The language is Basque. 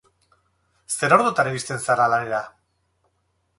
Zer ordutan iristen zara lanera?